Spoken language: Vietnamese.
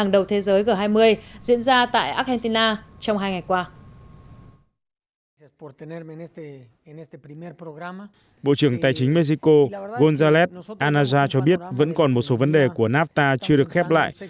bộ trưởng tài chính của mexico gonzález anaya cho biết vẫn còn một số vấn đề của nafta chưa được khép lại